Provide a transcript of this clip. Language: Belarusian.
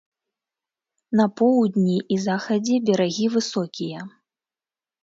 На поўдні і захадзе берагі высокія.